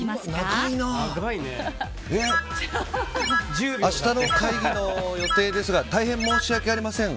明日の会議の予定ですが大変申し訳ありません。